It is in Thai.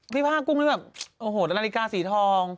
พี่พ่ากุ้งโห่นอนาฬิกาสีทอง